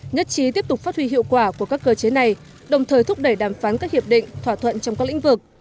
nhất trí tiếp tục phát huy hiệu quả của các cơ chế này đồng thời thúc đẩy đàm phán các hiệp định thỏa thuận trong các lĩnh vực